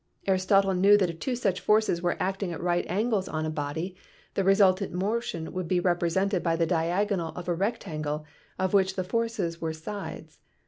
Aristotle knew that if two such forces were acting at right angles on a body the resultant motion would be represented by the diagonal of a rectangle of which the forces were sides.